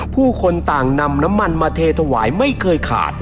ผู้คนต่างนำน้ำมันมาเทถวายไม่เคยขาด